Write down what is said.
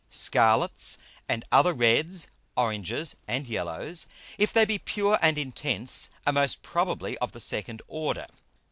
Scarlets, and other reds, oranges, and yellows, if they be pure and intense, are most probably of the second order.